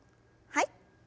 はい。